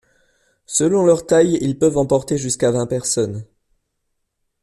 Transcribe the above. Selon leur taille, ils peuvent emporter jusqu'à vingt personnes.